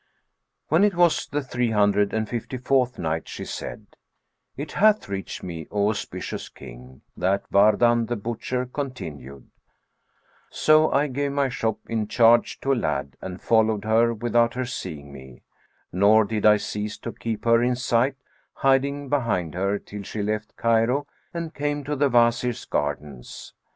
When it was the Three Hundred and Fifty fourth Night, She said, It hath reached me, O auspicious King, that Wardan the butcher continued: "So I gave my shop in charge to a lad and followed her without her seeing me; nor did I cease to keep her in sight, hiding behind her, till she left Cairo and came to the Wazir's Gardens.